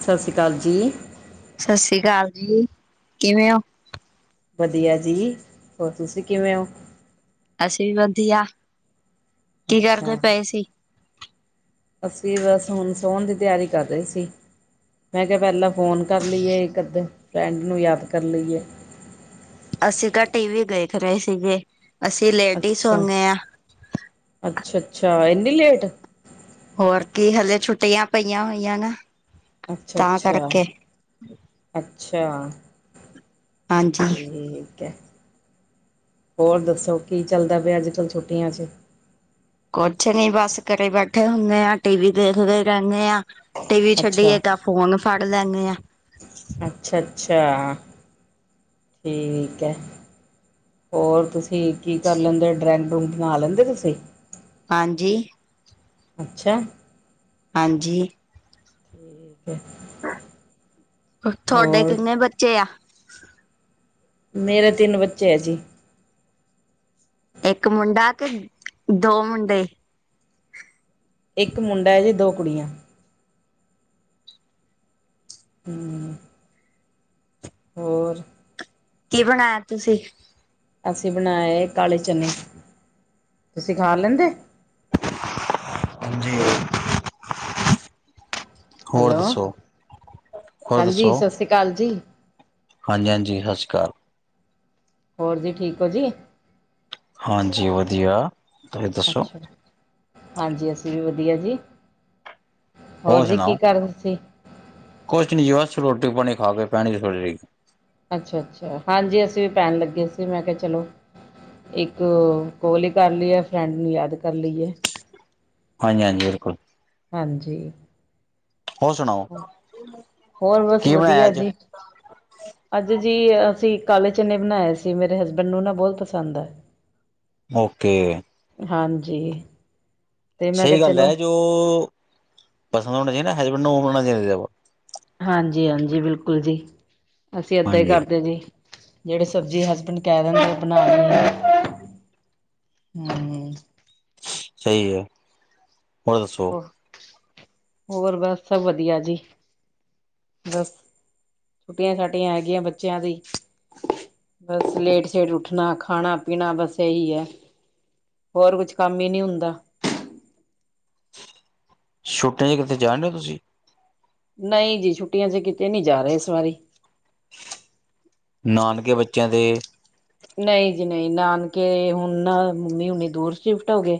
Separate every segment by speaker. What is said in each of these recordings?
Speaker 1: ਸਤਿ ਸ੍ਰੀ ਅਕਾਲ ਜੀ
Speaker 2: ਸਤਿ ਸ੍ਰੀ ਅਕਾਲ ਜੀ ਕਿਵੇਂ ਹੋ
Speaker 1: ਵਧੀਆ ਜੀ ਹੋਰ ਤੁਸੀਂ ਕਿਵੇਂ ਹੋ
Speaker 2: ਅਸੀਂ ਵੀ ਵਧੀਆ ਕੀ
Speaker 1: ਅੱਛਾ,
Speaker 2: ਕਰਦੇ ਪਏ ਸੀ
Speaker 1: ਅਸੀਂ ਰਸ ਹੁਣ ਸੋਣ ਦੀ ਤਿਆਰੀ ਕਰ ਰਹੇ ਸੀ ਮੈਂ ਕਿਹਾ ਪਹਿਲਾਂ ਫ਼ੋਨ ਕਰ ਲਈਏ ਇੱਕ ਅਧੇ ਫਰੈਂਡ ਨੂੰ ਯਾਦ ਕਰ ਲਈਏ
Speaker 2: ਅਸੀਂ ਤਾਂ ਟੀ ਵੀ ਦੇਖ ਰਹੇ ਸੀਗੇ ਅਸੀਂ ਲੇਟ ਹੀ
Speaker 1: ਅੱਛਾ।
Speaker 2: ਸੌਂਦੇ ਆ
Speaker 1: ਅੱਛਾ ਇੰਨੀ ਲੇਟ
Speaker 2: ਹੋਰ ਕੀ ਹਜੇ ਛੁੱਟੀਆਂ ਪਈਆਂ ਹੋਈਆਂ ਨਾ ਤਾਂ
Speaker 1: ਅੱਛਾ-ਅੱਛਾ
Speaker 2: ਕਰਕੇ
Speaker 1: ਅ ਅੱਛਾ
Speaker 2: ਹਾਂਜੀ
Speaker 1: ਠੀਕ ਹੈ ਹੋਰ ਦੱਸੋ ਕੀ ਚੱਲਦਾ ਪਿਆ ਅੱਜ ਕੱਲ੍ਹ ਛੁੱਟੀਆਂ ਚਿ
Speaker 2: ਕੁਛ ਨੀ ਬਸ ਘਰੇ ਬੈਠੇ ਹੁੰਦੇ ਆ ਟੀ ਵੀ ਦੇਖਦੇ ਰਹਿੰਦੇ ਆ ਤੇ ਵੀ ਛੱਡੀ ਹੈਗਾ ਫੋਨ ਫੜ ਲੈਂਦੇ ਆ
Speaker 1: ਅੱਛਾ ਅੱਛਾ ਠੀਕ ਹੈ ਹੋਰ ਤੁਸੀਂ ਕੀ ਕਰ ਲੈਂਦੇ ਡਰੈਂਗ ਡਰੂੰਗ ਬਣਾ ਲੈਂਦੇ ਤੁਸੀਂ
Speaker 2: ਹਾਂਜੀ
Speaker 1: ਅੱਛਾ
Speaker 2: ਹਾਂਜੀ
Speaker 1: ਠੀਕ ਹੈ।
Speaker 2: ਤੁਹਾਡੇ
Speaker 1: ਹੋਰ
Speaker 2: ਕਿੰਨੇ ਬੱਚੇ ਆ
Speaker 1: ਮੇਰੇ ਤਿੰਨ ਬੱਚੇ ਆ ਜੀ
Speaker 2: ਇੱਕ ਮੁੰਡਾ ਕੇ ਦੋ ਮੁੰਡੇ
Speaker 1: ਇੱਕ ਮੁੰਡਾ ਹੈ ਜੇ ਦੋ ਕੁੜੀਆਂ ਹੂੰ ਹੋਰ?
Speaker 2: ਕੀ ਬਣਾਇਆ ਤੁਸੀਂ?
Speaker 1: ਅਸੀਂ ਬਣਾਏ, ਕਾਲੇ ਚਨੇ। ਤੁਸੀ ਖਾ ਲੇਂਦੇ?
Speaker 2: ਹਾਂਜੀ। ਹੋਰ
Speaker 1: ਹੈਲੋ!
Speaker 2: ਦੱਸੋ
Speaker 1: ਹਾਂਜੀ। ਸਤਿ ਸ੍ਰੀ ਅਕਾਲ ਜੀ।
Speaker 2: ਹਾਂਜੀ- ਹਾਂਜੀ। ਸਤਿ ਸ੍ਰੀ ਅਕਾਲ।
Speaker 1: ਹੋਰ ਜੀ, ਠੀਕ ਹੋ ਜੀ?
Speaker 2: ਹਾਂਜੀ, ਵਧੀਆ। ਤੁਹੀ ਦੱਸੋ?
Speaker 1: ਅੱਛਾ ਹਾਂਜੀ, ਅਸੀਂ ਵੀ ਵਧੀਆ ਜੀ‌। ਹੋਰ ਜੀ, ਕੀ ਕਰਦ ਤੁਸੀਂ?
Speaker 2: ਕੁਛ ਨੀ ਜੀ ਬਸ, ਰੋਟੀ ਪਾਣੀ ਖਾਕੇ ਪੈਣੀ ਥੋੜੀ ਜਹੀ
Speaker 1: ਅੱਛਾ- ਅੱਛਾ। ਹਾਂਜੀ ਅਸੀਂ ਵੀ ਪੈਣ ਲੱਗੇ ਸੀ, ਮੈਂ ਕਿਹਾ ਚਲੋ ਇੱਕ ਕੋਲ ਹੀ ਕਰ ਲਈਏ, ਫਰੈਂਡ ਨੂੰ ਯਾਦ ਕਰ ਲਈਏ।
Speaker 2: ਹਾਂਜੀ, ਹਾਂਜੀ। ਬਿਲਕੁਲ!
Speaker 1: ਹਾਂਜੀ।
Speaker 2: ਹੋਰ ਸੁਣਾਓ
Speaker 1: ਹੋਰ, ਬਸ
Speaker 2: ਕੀ ਬਣਾਇਆ
Speaker 1: ਵਧੀਆ
Speaker 2: ਅੱਜ
Speaker 1: ਜੀ। ਅੱਜ ਜੀ ਅਸੀਂ ਕਾਲੇ ਚਨੇ ਬਣਾਇਏ ਸੀ, ਮੇਰੇ ਹਸਬੈਂਡ ਨੂੰ ਨਾ, ਬਹੁਤ ਪਸੰਦ ਆ।
Speaker 2: ਓਕੇ।
Speaker 1: ਹਾਂਜੀ। ਤੇ ਮੈਂ ਕਿਹਾ
Speaker 2: ਸਹੀ ਗੱਲ
Speaker 1: ਚਲੋ
Speaker 2: ਹੈ, ਜੋ ਪਸੰਦ ਹੋਣਾ ਸੀ ਨਾ ਹਜ ਵਿੰਨ ਮੂ ਮ ਚ [unintelligible]
Speaker 1: ਹਾਂਜੀ- ਹਾਂਜੀ ਬਿਲਕੁਲ ਜੀ। ਅਸੀਂ ਏਦਾਂ ਹੀ
Speaker 2: ਹਾਂਜੀ
Speaker 1: ਕਰਦੇ ਜੀ। ਜਿਹੜੇ ਸਬਜ਼ੀ ਹਸਬੈਂਡ ਕਹਿ ਦਿੰਦੇ, ਬਣਾ ਦਿੰਦੇ, ਹੂੰ
Speaker 2: ਸਹੀ ਹੈ। ਹੋਰ, ਦੱਸੋ?
Speaker 1: ਹੂੰ ਹੋਰ, ਬਸ ਸਭ ਵਧੀਆ ਜੀ, ਬਸ ਛੁੱਟੀਆਂ- ਛਾਟੀਆਂ ਹੈਗੀਆਂ, ਬੱਚਿਆਂ ਦੀ ਬਸ ਲੇਟ ਸ਼ੇਟ ਉੱਠਣਾ, ਖਾਣਾ- ਪੀਣਾ ਬਸ ਇਹੀ ਹੈ, ਹੋਰ ਕੁਛ ਕੰਮ ਹੀ ਨਹੀ ਹੁੰਦਾ।
Speaker 2: ਛੁੱਟੀਆਂ'ਚ ਕਿੱਥੇ ਜਾਣਡੇ ਹੋ, ਤੁਸੀਂ?
Speaker 1: ਨਹੀਂ ਜੀ, ਛੁੱਟੀਆਂ'ਚ ਕਿਤੇ ਨਹੀਂ ਜਾ ਰਹੇ, ਇਸ ਵਾਰੀ।
Speaker 2: ਨਾਨਕੇ ਬੱਚਿਆਂ ਦੇ
Speaker 1: ਨਹੀਂ ਜੀ, ਨਹੀਂ ਨਾਨਕੇ ਹੁਣ ਨਾ ਮੰਮੀ ਹੁਨੀ ਦੂਰ ਸ਼ਿਫਟ ਹੋ ਗਏ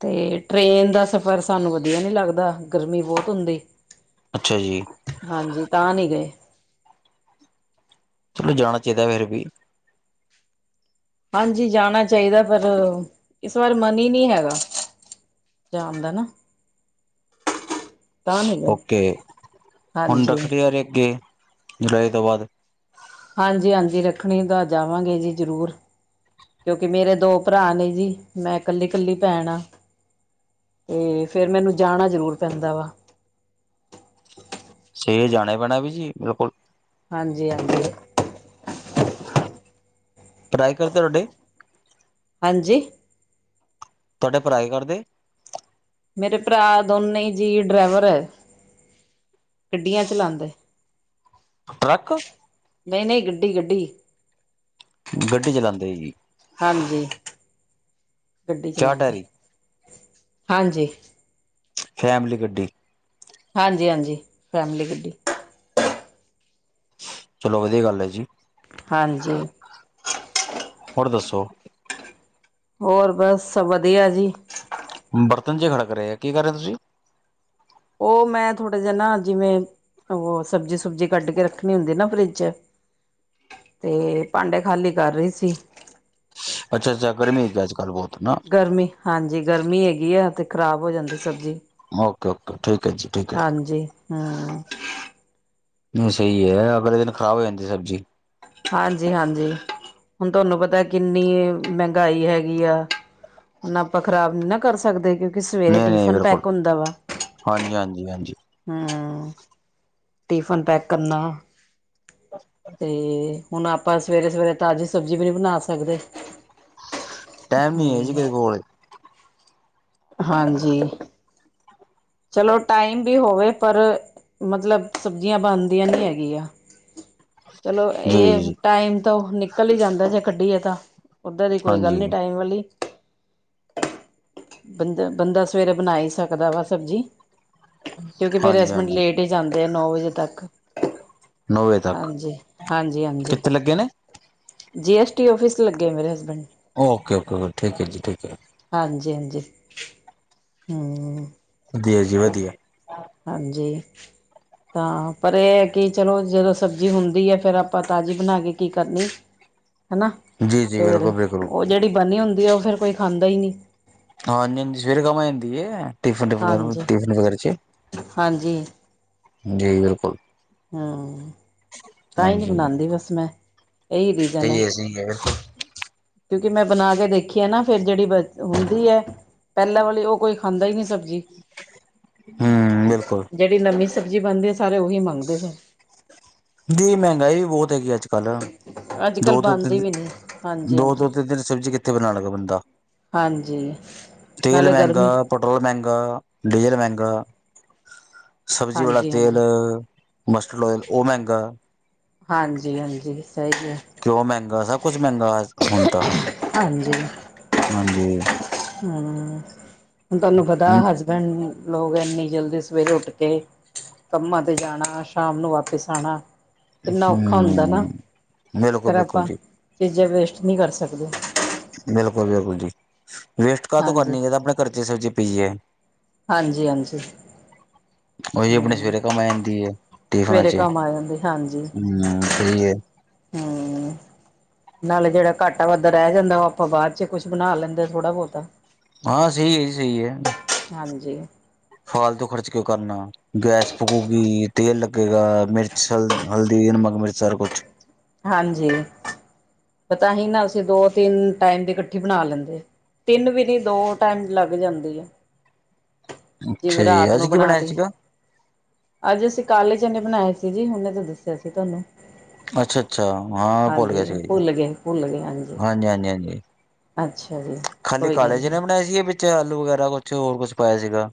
Speaker 1: ਤੇ, ਟ੍ਰੇਨ ਦਾ ਸਫ਼ਰ ਸਾਨੂੰ ਵਧੀਆ ਨੀ ਲੱਗਦਾ, ਗਰਮੀ ਬਹੁਤ ਹੁੰਦੀ।
Speaker 2: ਅੱਛਾ ਜੀ
Speaker 1: ਹਾਂਜੀ ਤਾਂ, ਨਹੀਂ ਗਏ।
Speaker 2: ਚਲੋ ਜਾਣਾ ਚਾਹੀਦਾ, ਫੇਰ ਵੀ।
Speaker 1: ਹਾਂਜੀ‌ ਜਾਣਾ ਚਾਹੀਦਾ, ਪਰ ਇਸ ਵਾਰ ਮਨ ਹੀ ਨਹੀਂ ਹੈਗਾ, ਜਾਣ ਦਾ ਨਾ ਤਾਂ ਨਹੀਂ ਗਏ
Speaker 2: ਓਕੇ ਹੁਣ
Speaker 1: ਹਾਂਜੀ
Speaker 2: ਰੱਖੜੀ ਆ ਰੀ, ਅੱਗੇ ਜੁਲਾਈ ਤੋਂ ਬਾਅਦ
Speaker 1: ਹਾਂਜੀ। ਹਾਂਜੀ। ਰੱਖਣੀ ਤਾਂ ਜਾਵਾਂਗੇ ਜੀ, ਜ਼ਰੂਰ ਕਿਉਂਕਿ ਮੇਰੇ ਦੋ ਭਰਾ ਨੇ ਜੀ, ਮੈਂ ਕੱਲੀ- ਕੱਲੀ ਭੈਣ ਆਂ ਤੇ, ਫੇਿਰ ਮੈਨੂੰ ਜਾਣਾ ਜ਼ਰੂਰ ਪੈਂਦਾ ਵਾ।
Speaker 2: ਸ ਜਾਣਾ ਪੈਣਾ ਵੀ ਜੀ ਬਿਲਕੁਲ
Speaker 1: ਹਾਂਜੀ ਹਾਂਜੀ
Speaker 2: ਟਰਾਏ ਕਰਤਾ ਹਾਡੇ
Speaker 1: ਹੰਜੀ
Speaker 2: ਤੁਹਾਡੇ ਭਰਾ ਕੀ ਕਰਦੇ।
Speaker 1: ਮੇਰੇ ਭਰਾ ਦੋਨੇ ਜੀ ਡਰਾਈਵਰ ਗੱਡੀਆਂ ਚਲਾਉਦੇ।
Speaker 2: ਟਰੱਕ।
Speaker 1: ਨਹੀਂ ਨਹੀਂ ਗੱਡੀ ਗੱਡੀ
Speaker 2: ਗੱਡੀ ਚਲਾਉਂਦੇ ਜੀ।
Speaker 1: ਹਾਂਜੀ ਗੱਡੀ
Speaker 2: ਚਾਰ
Speaker 1: ਚਲਾਉਂਦੇ।
Speaker 2: ਟਾਇਰੀ
Speaker 1: ਹਾਂਜੀ।
Speaker 2: ਫੈਮਲੀ ਗੱਡੀ।
Speaker 1: ਹਾਂਜੀ ਹਾਂਜੀ ਫੈਮਲੀ ਗੱਡੀ।
Speaker 2: ਚਲੋ ਵਧੀਆ ਗੱਲ ਹੈ ਜੀ।
Speaker 1: ਹਾਂਜੀ।
Speaker 2: [unintelligible]
Speaker 1: ਹੋਰ ਬਸ ਵਧੀਆ ਜੀ।
Speaker 2: ਬਰਤਨ ਚ ਖੜਕ ਰਹੇ ਆ ਕੀ ਕਰ ਰਹੇ ਤੁਸੀਂ।
Speaker 1: ਉਹ ਮੈਂ ਥੋੜ੍ਹਾ ਜਿਹਾਨਾ ਜਿਵੇਂ ਉਹ ਸਬਜ਼ੀ ਸੁਬਜੀ ਕੱਢ ਕੇ ਰੱਖਣੀ ਹੁੰਦੀ ਨਾ ਫਰਿੱਜ ਚ ਤੇ ਭਾਂਡੇ ਖਾਲੀ ਕਰ ਰਹੀ ਸੀ।
Speaker 2: ਅੱਛਾ ਅੱਛਾ ਗਰਮੀ ਆ ਅੱਜ ਕੱਲ ਬਹੁਤ ਨਾ
Speaker 1: ਗਰਮੀ ਹਾਂਜੀ ਗਰਮੀ ਹੈਗੀ। ਆ ਤੇ ਖਰਾਬ ਹੋ ਜਾਂਦੀ ਸਬਜ਼ੀ।
Speaker 2: ਓਕੇ ਓਕੇ ਠੀਕ ਹੈ ਜੀ ਠੀਕ ਹੈ।
Speaker 1: ਹਾਂਜੀ ਹੂੰ
Speaker 2: ਸਹੀ ਹੈ ਅਗਲੇ ਦਿਨ ਖ਼ਰਾਬ ਹੋ ਜਾਂਦੀ ਸਬਜ਼ੀ।
Speaker 1: ਹਾਂਜੀ ਹਾਂਜੀ ਹੁਣ ਤੁਹਾਨੂੰ ਪਤਾ ਕਿੰਨੀ ਮਹਿੰਗਾਈ ਹੈਗੀ ਆ ਉਹ ਆਪਾਂ ਖ਼ਰਾਬ ਨੀ ਨਾ ਕਰ ਸਕਦੇ ਕਿਉ ਸਵੇਰੇ
Speaker 2: ਨਹੀਂ ਨਹੀਂ
Speaker 1: ਟਿਫਨ
Speaker 2: ਬਿਲਕੁਲ
Speaker 1: ਪੈਕ ਹੁੰਦਾ ਵਾ
Speaker 2: ਹਾਂਜੀ ਹਾਂਜੀ ਹਾਂਜੀ
Speaker 1: ਹਮ ਟਿਫਨ ਪੈਕ ਕਰਨਾ। ਤੇ
Speaker 2: [unintelligible]
Speaker 1: ਹੁਣ ਆਪਾਂ ਸਵੇਰੇ ਸਵੇਰੇ ਤਾਜ਼ੀ ਸਬਜ਼ੀ ਵੀ ਨਹੀਂ ਬਣਾ ਸਕਦੇ।
Speaker 2: ਟਾਈਮ ਨੀ ਹੈ ਜੀ
Speaker 1: ਹਮ
Speaker 2: ਕਦੇ ਕੋਲ
Speaker 1: ਹਾਂਜੀ। ਚਲੋ ਟਾਈਮ ਵੀ ਹੋਵੇ ਪਰ ਮਤਲਬ ਸਬਜ਼ੀਆਂ ਬਣਦੀਆਂ ਨਹੀਂ ਹੈਗੀਆਂ। ਚਲੋ
Speaker 2: ਜੀ ਜੀ
Speaker 1: ਇਹ
Speaker 2: ਜੀ
Speaker 1: ਟਾਈਮ ਤੋਂ ਨਿਕਲ ਹੀ ਜਾਂਦਾ ਸੀ ਕੱਢੀਏ ਤਾਂ ਓਦਾਂ ਦੀ ਕੋਈ ਗੱਲ
Speaker 2: ਹਾਂਜੀ
Speaker 1: ਨੀ ਟਾਈਮ ਵਾਲੀ। [unintelligible] ਬੰਦਾ ਬੰਦਾ ਸਵੇਰੇ ਬਣਾ ਹੀ ਸਕਦਾ ਵਾ ਸਬਜ਼ੀ। ਕਿਉਂਕਿ ਮੇਰੇ
Speaker 2: ਹਾਂਜੀ
Speaker 1: ਹਸਬੈਂਡ
Speaker 2: ਹਾਂਜੀ
Speaker 1: ਲੇਟ ਹੀ ਜਾਂਦੇ ਆ ਨੌ ਵਜੇ ਤੱਕ
Speaker 2: ਨੌ ਵਜੇ ਤੱਕ
Speaker 1: ਹਾਂਜੀ ਹਾਂਜੀ ਹਾਂਜੀ।
Speaker 2: ਕਿੱਥੇ ਲੱਗੇ ਨੇ
Speaker 1: ਜੀ ਐਸ ਟੀ ਓਫਿਸ ਲੱਗੇ ਮੇਰੇ ਹਸਬੈਂਡ।
Speaker 2: ਓਕੇ ਓਕੇ ਓ ਠੀਕ ਹੈ ਜੀ ਠੀਕ ਹੈ।
Speaker 1: ਹਾਂਜੀ, ਹਾਂਜੀ। ਹਮ।
Speaker 2: ਵਧੀਆ ਜੀ ਵਧੀਆ
Speaker 1: ਹਾਂਜੀ ਤਾਂ ਪਰ ਇਹ ਹੈ ਕਿ ਚਲੋ ਜਦੋਂ ਸਬਜ਼ੀ ਹੁੰਦੀ ਹੈ ਫੇਿਰ ਆਪਾਂ ਤਾਜ਼ੀ ਬਣਾ ਕੇ ਕੀ ਕਰਨੀ ਹਨਾ
Speaker 2: ਜੀ ਜੀ
Speaker 1: ਫੇਰ
Speaker 2: ਬਿਲਕੁਲ ਬਿਲਕੁਲ
Speaker 1: ਉਹ ਜਿਹੜੀ ਬਣੀ ਹੁੰਦੀ ਉਹ ਫੇਰ ਕੋਈ ਖਾਂਦਾ ਦਨੀ
Speaker 2: ਹਾਂ ਨ ਸਵੀਰ ਗਮਦੀ ਟਿਫਨੈ
Speaker 1: ਹਾਂਜੀ
Speaker 2: ਟਫਿਨ ਵਗੈ '
Speaker 1: ਹਾਂਜੀ
Speaker 2: ਜੀ ਬਿਲਕੁਲ
Speaker 1: ਹਾਂ ਤਾਂਹੀ
Speaker 2: ਹਾਂਜੀ
Speaker 1: ਨਹੀਂੀ
Speaker 2: ਸਹੀ
Speaker 1: ਬਣਾਉਂਦੀ ਬਸ ਮੈਂ ਇਹ ਰੀਜ਼ਨ ਹੈ ਕਿਉਂਕਿ ਮੈਂ ਬਣਾ ਕੇ ਦੇਖੀ ਆ ਨਾ ਫਿਰ ਜਿਹੜੀ ਬ ਹੁੰਦੀ ਹੈ ਪਹਿਲਾਂ ਵਾਲੀ ਉਹ ਕੋਈ ਖਾਂਦਾ ਹੀ ਨਹੀਂੀ ਸਕ ਜੀ
Speaker 2: ਹੂੰ ਬਿਲਕੁਲ
Speaker 1: ਜਿਹੜੀ ਨਵੀਂ ਸਬਜ਼ੀ ਬਣਦੀ ਆ ਸਾਰੇ ਉਓਹੀ ਮੰਗਦੇ ਫੇਿਰ
Speaker 2: ਦੀ ਮਹਿੰਗਾਈ ਵੀ ਬਹੁਤ ਹੈਗੀ ਅੱਜ ਕੱਲ੍ਹ
Speaker 1: ਅੱਜ
Speaker 2: ਦੋ
Speaker 1: ਕੱਲ੍ਹ
Speaker 2: ਦੋ
Speaker 1: ਬਣਦੀ
Speaker 2: ਤਿੰਨ
Speaker 1: ਵੀ ਨਹੀਂ ਹਾਂਜੀ
Speaker 2: ਦੋ
Speaker 1: ਹਾਂਜੀ
Speaker 2: ਦੋ ਤਿੰਨ ਤਨ ਸਬਜ਼ੀ ਕਿੱਥੇ ਬਣਾਉਣ ਲੱਗਾ ਬੰਦਾ
Speaker 1: ਹਾਂਜੀ
Speaker 2: ਤੇਲ
Speaker 1: ਨਾਲੇ
Speaker 2: ਮਹਿੰਗਾ
Speaker 1: ਗਰਮੀ
Speaker 2: ਪੈਟਰੋਲ ਮਹਿੰਗਾ ਡੀਜ਼ਲ ਮਹਿੰਗਾ ਸਬਜ਼ੀ ਵਾਲਾ
Speaker 1: ਹਾਂਜੀ
Speaker 2: ਤੇਲ
Speaker 1: ਹਾਂਜੀ
Speaker 2: ਮਸਟਰਡ ਓਲ ਉਹ ਮਹਿੰ ਗਾ
Speaker 1: ਹਾਂਜੀ ਹਾਂਜੀ ਸਹੀ ਹੈ
Speaker 2: ਕਿਉਂ ਮਹਿੰਗਾ ਸਭ ਕੁਛ ਮਹਿੰਗਾ ਹੁਣ ਤਾਂ ਹਾਂਜੀ
Speaker 1: ਹਮ ਹੁਣ ਤੁਹਾਨੂੰ ਪਤਾ ਹਸਬੈਂਡ ਲੋਕ ਇਨੀ ਜਲਦੀ ਸਵੇਰੇ ਉੱਠ ਕੇ ਕੰਮਾਂ ਤੇ ਜਾਣਾ ਸ਼ਾਮ ਨੂੰ ਵਾਪਿਸ ਆਉਣਾ ਕਿੰਨਾ ਔਖਾ
Speaker 2: ਹੂੰ
Speaker 1: ਹੁੰਦਾ ਨਾ
Speaker 2: ਬਿਲਕੁਲ
Speaker 1: ਫੇਿਰ
Speaker 2: ਬਿਲਕੁਲ
Speaker 1: ਆਪਾਂ
Speaker 2: ਜੀ
Speaker 1: ਚੀਜ਼ਾਂ ਵੇਸਟ ਕੁਛ ਨਹੀਂ ਕਰ ਸਕਦੇ ਹੋ
Speaker 2: ਬਿਲਕੁਲ ਬਿਲਕੁਲ ਜੀ ਵੇਸਟ ਕ
Speaker 1: ਹਾਂਜੀ
Speaker 2: ਕਰਨੀ ਇਹਦਾ ਆਪਣੇ ਖਰਚੇ ਸਬਜ਼ੀ ਪੀਏ
Speaker 1: ਹਾਂਜੀ ਹਾਂਜੀ
Speaker 2: ਉਹੀ ਆਪਣੇ
Speaker 1: ਹੂੰ
Speaker 2: ਸਵੇਰੇ ਕਮਾਈਣ ਦੀਏ
Speaker 1: ਸਵੇਰੇ ਕੰਮ ਆ ਜਾਂਦੇ ਹਾਂਜੀ,
Speaker 2: ਹੂੰ ਸਹੀ ਹੈ
Speaker 1: ਹੂੰ ਨਾਲੇ ਜਿਹੜਾ ਘਾਟਾ ਵੱਧਦਾ ਰਹਿ ਜਾਂਦਾ ਉਹ ਆਪਾਂ ਬਾਅਦ ਚ ਕੁੱਛ ਬਣਾ ਲੈਂਦੇ ਥੋੜਾ ਬਹੁਤਾ
Speaker 2: ਹਾਂ ਸਹੀ ਹੈ ਜੀ, ਸਹੀ ਹੈ।
Speaker 1: ਹਾਂਜੀ,
Speaker 2: ਫਾਲਤੂ ਖਰਚ ਕਿਉਂ ਕਰਨਾ ਗੈਸ ਫਕੂਗੀ ਤੇਲ ਲੱਗੇਗਾ, ਮਿਰਚ ਹਲਦੀ, ਨਮਕ, ਮਿਰਚ ਸਾਰਾ ਕੁਛ
Speaker 1: ਹਾਂਜੀ ਪਤਾ ਹੀ ਨਾ ਅਸੀਂ ਦੋ ਤਿੰਨ ਟਾਈਮ ਦੀ ਇਕੱਠੀ ਬਣਾ ਲੈਂਦੇ, ਤਿੰਨ ਵੀ ਨਹੀਂ ਦੋ ਟਾਈਮ ਲੱਗ ਜਾਂਦੀ ਆ।
Speaker 2: ਅੱਛਾ
Speaker 1: ਜਿਵੇਂ
Speaker 2: ਜੀ
Speaker 1: ਰਾਤ
Speaker 2: ਅੱਜ
Speaker 1: ਨੂੰ
Speaker 2: ਕੀ
Speaker 1: ਬਣਾ
Speaker 2: ਬਣਾਇਆ
Speaker 1: ਲਈ
Speaker 2: ਸੀਗਾ
Speaker 1: ਅੱਜ ਅਸੀਂ ਕਾਲੇ ਚਨੇ ਬਣਾਏ ਸੀ ਜੀ ਹੁਣੇ ਤਾਂ ਦੱਸਿਆ ਸੀ ਤੁਹਾਨੂੰ।
Speaker 2: ਅੱਛਾ -ਅੱਛਾ ਹਾਂ ਭੁੱਲ ਗਿਆ
Speaker 1: ਹਾਂਜੀ
Speaker 2: ਸੀਗਾ ਜੀ,
Speaker 1: ਭੁੱਲ ਗਏ ਭੁੱਲ ਗਏ
Speaker 2: ਹਾਂਜੀ- ਹਾਂਜੀ -ਹਾਂਜੀ।
Speaker 1: [unintelligible]
Speaker 2: ਖਾਲੀ
Speaker 1: ਕੋਈ
Speaker 2: ਕਾਲੇ
Speaker 1: ਗੱਲ ਨੀ।
Speaker 2: ਚਨੇ ਬਣਾਏ ਸੀ ਜਾਂ ਵਿੱਚ ਵਗੈਰਾ ਕੁਛ ਹੋਰ ਕੁਛ ਪਾਇਆ ਸੀਗਾ।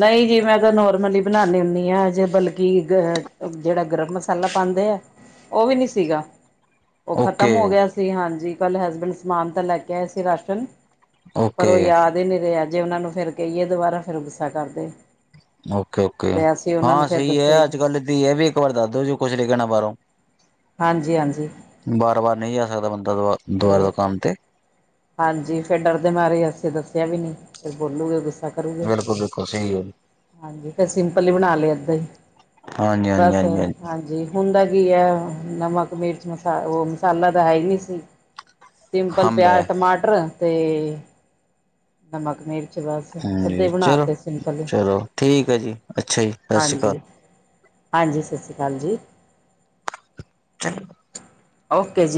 Speaker 1: ਨਹੀਂ ਜੀ ਮੈਂ ਤਾਂ ਨੋਰਮਲੀ ਬਣਾਣੀ ਹੁੰਦੀ ਆਂ, ਜੇ ਬਲਕਿ ਅ ਜਿਹੜਾ ਗਰਮ ਮਸਾਲਾ ਪਾਂਦੇ ਆ ਉਹ ਵੀ ਨੀ ਸੀਗਾ। ਉਹ
Speaker 2: ਓਕੇ
Speaker 1: ਖ਼ਤਮ ਹੋ ਗਿਆ ਸੀ ਹਾਂਜੀ। ਕੱਲ ਹਸਬੈਂਡ ਸਮਾਨ ਤਾਂ ਲੈ ਕੇ ਆਏ ਸੀ ਰਾਸ਼ਨ। ਪਰ
Speaker 2: ਓਕੇ
Speaker 1: ਉਹ ਯਾਦ ਹੀ ਨਹੀਂ ਰਿਹਾ। ਜੇ ਉਹਨਾ ਨੂੰ ਫਿਰ ਕਹੀਏ ਦੁਬਾਰਾ ਫਿਰ ਗੁਸ ਗੁਸਾ ਕਰਦੇ।
Speaker 2: ਓਕੇ, ਓਕੇ
Speaker 1: ਤੇ ਅਸੀਂ ਉਹਨਾਂ
Speaker 2: ਹਾਂ
Speaker 1: ਨੂੰ ਫਿਰ
Speaker 2: ਸਹੀ ਹੈ,
Speaker 1: ਦੱਸਿਆ
Speaker 2: ਅੱਜ- ਕੱਲ ਦੀ ਇਹ ਵੀ ਇੱਕ ਵਾਰ ਦੱਸਦੋ ਵੀ ਇਹ ਕੁਛ ਲੈ ਕੇ ਆਣਾ ਬਾਹਰੋਂ।
Speaker 1: ਹਾਂਜੀ ਹਾਂਜੀ
Speaker 2: ਵਾਰ- ਵਾਰ ਨਹੀਂ ਜਾ ਸਕਦਾ ਬੰਦਾ ਦ ਦੁਬਾਰਾ
Speaker 1: ਤੇ
Speaker 2: ਦੁਕਾਨ ਤੇ।
Speaker 1: ਹਾਂਜੀ ਫੇਰ ਡਰਦੇ ਮਾਰੇ ਅਸੀੇ ਦੱਸਿਆ ਵੀ ਨੀ ਫੇਰ ਬੋਲੂਗੇ ਗੁੱਸੇ ਕਰੂਗੇ
Speaker 2: ਬਿਲਕੁਲ ਬਿਲਕੁਲ ਸਹੀ ਹੈ
Speaker 1: ਹਾਂਜੀ ਫਿਰ ਸਿੰਪਲ ਹੀ ਬਣਾ ਲਿਆ ਇੱਦਾਂ ਹੀ
Speaker 2: ਹਾਂਜੀ ਹਾਂਜੀ
Speaker 1: ਬਸ
Speaker 2: ਹਾਂਜੀ
Speaker 1: ਹਾਂਜੀ। ਹੁੰਦਾ ਕੀ ਹੈ ਨਮਕ ਮਿਰਚ ਮਸਾ ਉਹ ਮਸਾਲਾ ਤਾਂ ਹੈ ਹੀ ਨਹੀਂ ਸੀ। ਸਿੰਪਲ
Speaker 2: ਹੰਬ ਹੈ
Speaker 1: ਪਿਆਜ ਫਿਰ ਤੇ ਨਮਕ ਮਿਰ ਅੱਛਾ ਬਸ ਇੱਦਾਂ
Speaker 2: ਹਾਂਜੀ
Speaker 1: ਹੀ ਬਣਾ
Speaker 2: ਚਲੋ
Speaker 1: ਤੇ ਸਿੰਪਲ
Speaker 2: ਚਲੋ ਠੀਕ ਹੈ ਜੀ ਅੱਛਾ ਜੀ ਸਤਿ ਸ਼੍ਰੀ ਅਕਾਲ
Speaker 1: ਹਾਂਜੀ ਹਾਂਜੀ ਸਤਿ ਸ਼੍ਰੀ ਅਕਾਲ ਜੀ।
Speaker 2: ਚੰਗਾ,
Speaker 1: ਓਕੇ ਜੀ,